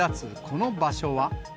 この場所は。